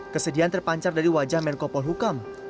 kesedihan terpancar dari wajah menko polhukam